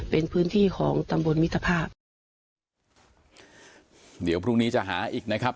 เป็นพื้นที่ของตำบลมิตรภาพเดี๋ยวพรุ่งนี้จะหาอีกนะครับ